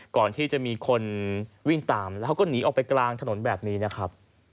ก่อนที่จะมีคนวิ่งตามแล้วเขาก็หนีออกไปกลางถนนแบบนี้นะครับ